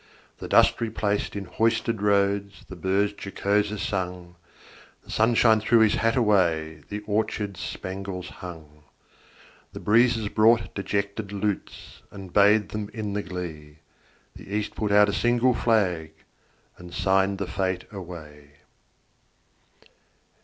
The dust replaced in hoisted roads, The birds jocoser sung; The sunshine threw his hat away, The orchards spangles hung. The breezes brought dejected lutes, And bathed them in the glee; The East put out a single flag, And signed the fete away.